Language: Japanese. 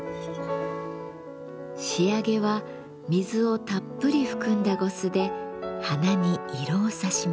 仕上げは水をたっぷり含んだ呉須で花に色をさします。